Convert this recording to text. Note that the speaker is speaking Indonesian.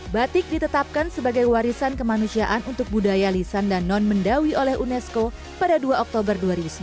batik ditetapkan sebagai warisan kemanusiaan untuk budaya lisan dan non mendawi oleh unesco pada dua oktober dua ribu sembilan